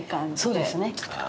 そうですね。